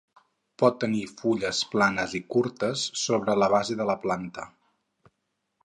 Pot tenir fulles planes i curtes sobre la base de la planta.